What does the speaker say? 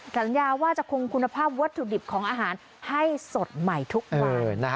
สัญญาว่าจะคงคุณภาพวัตถุดิบของอาหารให้สดใหม่ทุกวัน